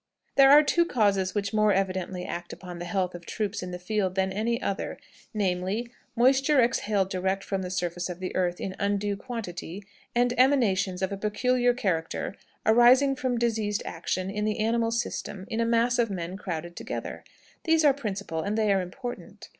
"There are two causes which more evidently act upon the health of troops in the field than any other, namely, moisture exhaled direct from the surface of the earth in undue quantity, and emanations of a peculiar character arising from diseased action in the animal system in a mass of men crowded together. These are principal, and they are important.